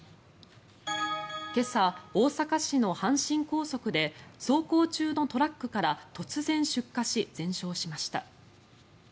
今朝、大阪市の阪神高速で走行中のトラックから突然、出火し、全焼しました。